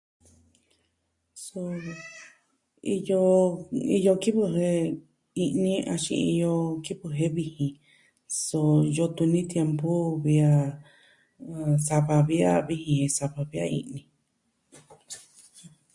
Suu iyo, kivɨ jen i'ni axin iyo kivɨ jen vijin so iyo tuni tiempu vi a sava vi a vijin sava vi a i'ni.